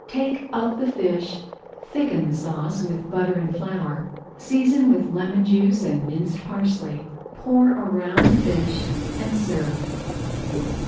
Take up the fish, thicken the sauce with butter and flour, season with lemon juice and minced parsley, pour around the fish, and serve.